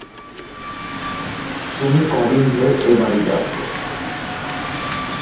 তুমি কদিন ধরে এ বাড়িতে আছ?